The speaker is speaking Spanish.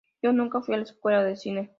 Yo nunca fui a la escuela de cine.